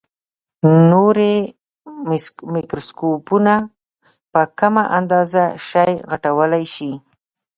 نوري مایکروسکوپونه په کمه اندازه شی غټولای شي.